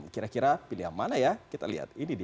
kira kira pilihan mana ya kita lihat ini dia